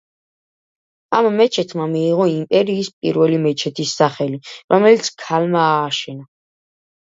ამ მეჩეთმა მიიღო იმპერიის პირველი მეჩეთის სახელი, რომელიც ქალმა ააშენა.